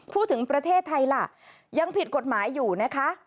พูดถึงประเทศไทยล่ะยังผิดกฎหมายอยู่นะคะ